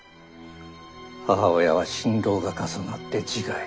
母親は心労が重なって自害。